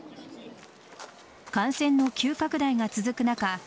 感染の急拡大が続く中